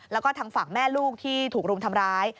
แล้วก็ทางฝั่งแม่ลูกที่ถูกรุมทำร้าย